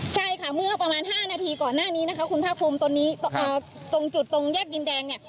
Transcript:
ใช่ค่ะเมื่อประมาณ๕นาทีก่อนหน้านี้นะคะคุณภาคภูมิตอนนี้ตรงจุดตรงแยกดินแดงเนี่ย